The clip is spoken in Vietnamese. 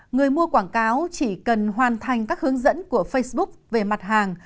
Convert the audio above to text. người mua quảng cáo chỉ cần hoàn thành các hướng dẫn của facebook về mặt hàng